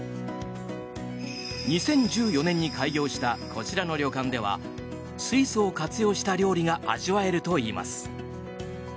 ２０１４年に開業したこちらの旅館では水素を活用した料理が味わえるといいます。